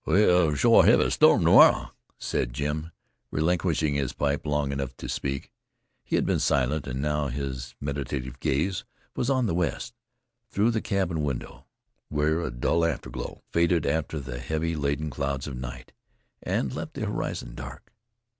"We'll shore hev a storm to morrow," said Jim, relinquishing his pipe long enough to speak. He had been silent, and now his meditative gaze was on the west, through the cabin window, where a dull afterglow faded under the heavy laden clouds of night and left the horizon dark.